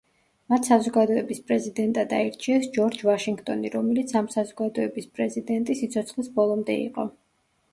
მათ საზოგადოების პრეზიდენტად აირჩიეს ჯორჯ ვაშინგტონი, რომელიც ამ საზოგადოების პრეზიდენტი სიცოცხლის ბოლომდე იყო.